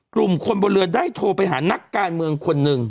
กลุ่มคนบนเรือได้โทรไปหานักการเมืองคนหนึ่ง